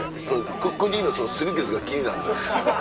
クックＤの擦り傷が気になんのよ。